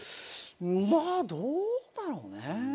まあどうだろうね。